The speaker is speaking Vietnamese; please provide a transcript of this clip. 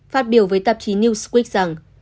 phát biểu với tạp chí newsweek rằng